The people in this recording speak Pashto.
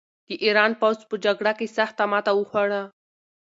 د ایران پوځ په جګړه کې سخته ماته وخوړه.